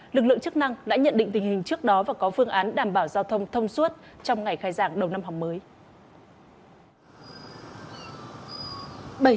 lực lượng chức năng đã nhận định tình hình trước đó và có phương án đảm bảo giao thông thông suốt trong ngày khai giảng đầu năm học mới